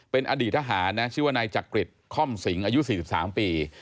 เป็นอดีตทหารนะชื่อว่านายจักริจค่อมสิงอายุ๔๓ปี